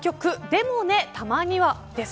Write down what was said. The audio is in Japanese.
でもね、たまにはです。